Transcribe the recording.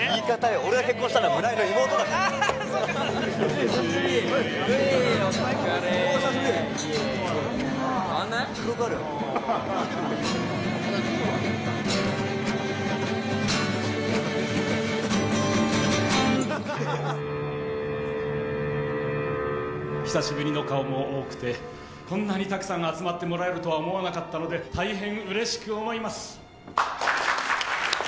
俺が結婚したのは村井の妹だからなそうかそうか久しぶりの顔も多くてこんなにたくさん集まってもらえるとは思わなかったので大変嬉しく思います